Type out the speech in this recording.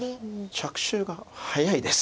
着手が早いです。